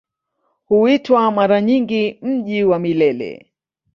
Huitwa mara nyingi "Mji wa Milele".